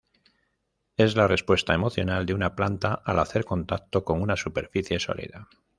Es la respuesta emocional de una planta al hacer contacto con una superficie sólida.